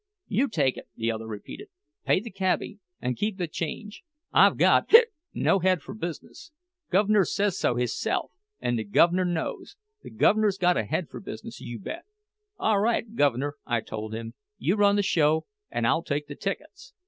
"You take it," the other repeated. "Pay the cabbie an' keep the change—I've got—hic—no head for business! Guv'ner says so hisself, an' the guv'ner knows—the guv'ner's got a head for business, you bet! 'All right, guv'ner,' I told him, 'you run the show, and I'll take the tickets!